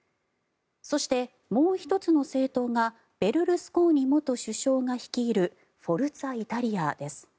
そして、もう１つの政党がベルルスコーニ元首相が率いるフォルツァ・イタリアです。